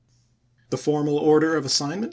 The formal order of assignment p.